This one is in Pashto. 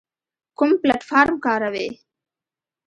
کوم پلتفارم کاروئ؟